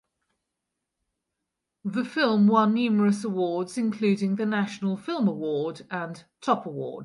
The film won numerous awards including the National Film Award and Top Award.